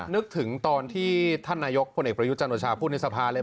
นึกถึงตอนที่ท่านนายกพลเอกประยุทธ์จันโอชาพูดในสภาเลย